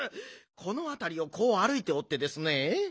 このあたりをこうあるいておってですね。